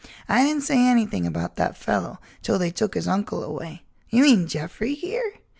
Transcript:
I didn't say anything about that fellow till they took his uncle away——" "You mean Jeffrey here?"